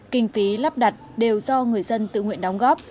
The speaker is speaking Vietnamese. kinh phí lắp đặt đều do người dân tự nguyện đóng góp